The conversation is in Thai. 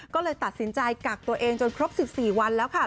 ก็เลยตัดสินใจกักตัวเองจนครบ๑๔วันแล้วค่ะ